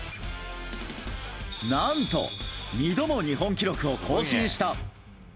何と２度も日本記録を更新した。